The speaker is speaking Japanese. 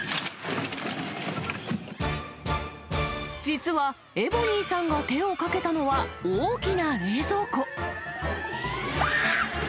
実は、エボニーさんが手をかけたのは大きな冷蔵庫。